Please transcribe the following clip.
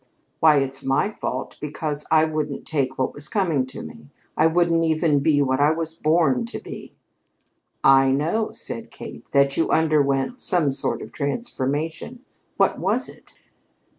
"Why, it's my fault because I wouldn't take what was coming to me. I wouldn't even be what I was born to be!" "I know," said Kate, "that you underwent some sort of a transformation. What was it?"